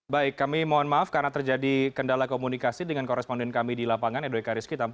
baik kami mohon maaf karena terjadi kendala komunikasi dengan koresponden kami di lapangan edo eka rizky